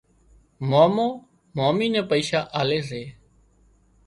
مامو مامي نين پئيشا آلي سي